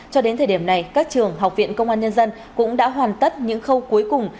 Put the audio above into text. cho đến thời điểm này các trường học viện công an nhân dân cũng đã hoàn tất những khâu cuối cùng